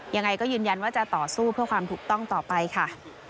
ยังไงก็ยืนยันว่าจะต่อสู้เพื่อความถูกต้องต่อไปค่ะ